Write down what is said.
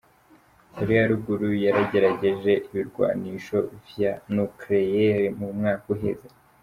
Korea ya ruguru yaragerageje ibirwanisho vya nucleaire mu mwaka uheze.